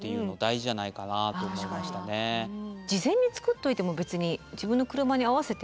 事前に作っておいても別に自分の車に合わせて。